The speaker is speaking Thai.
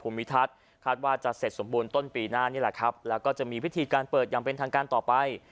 ทัศน์คาดว่าจะเสร็จสมบูรณต้นปีหน้านี่แหละครับแล้วก็จะมีพิธีการเปิดอย่างเป็นทางการต่อไป